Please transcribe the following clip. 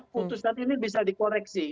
putusan ini bisa dikoreksi